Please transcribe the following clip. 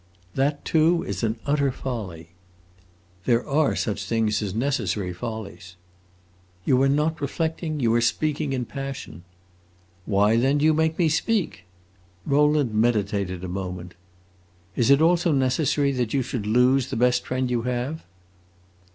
"That too is an utter folly." "There are such things as necessary follies." "You are not reflecting; you are speaking in passion." "Why then do you make me speak?" Rowland meditated a moment. "Is it also necessary that you should lose the best friend you have?"